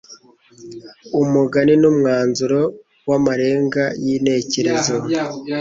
umugani ni umwanzuro w'amarenga y'intekerezo.